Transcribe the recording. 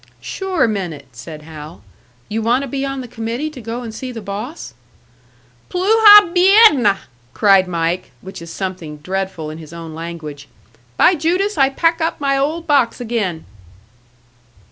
"Sure meant it," said Hal. "You want to be on the committee to go and see the boss?" "Pluha biedna!" cried Mike which is something dreadful in his own language. "By Judas, I pack up my old box again!"